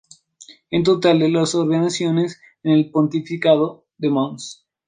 El total de ordenaciones en el pontificado de Mons.